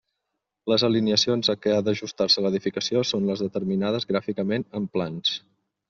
Les alineacions a què ha d'ajustar-se l'edificació són les determinades gràficament en plans.